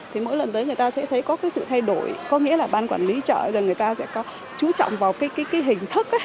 thì mỗi lần tới người ta sẽ thấy có sự thay đổi có nghĩa là ban quản lý chợ người ta sẽ chú trọng vào cái hình thức